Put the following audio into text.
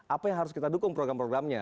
apa yang harus kita dukung program programnya